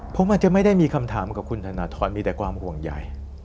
เพราะมันจะไม่ได้มีคำถามกับคุณธนทรมีแต่ความห่วงใย